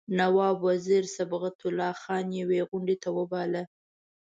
نواب وزیر صبغت الله خان یوې غونډې ته وباله.